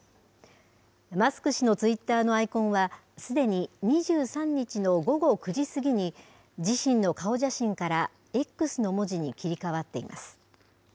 マスク氏のツイッターのアイコンは、すでに２３日の午後９時過ぎに、自身の顔写真からＸの文字に切り替わっています。